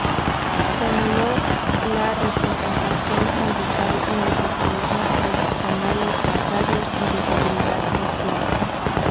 Se anuló la representación sindical en los organismos previsionales, bancarios y de seguridad social.